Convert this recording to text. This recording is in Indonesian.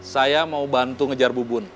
saya mau bantu ngejar bubun